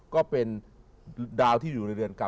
ก็เป็นดาวที่อยู่ในเรือนเก่า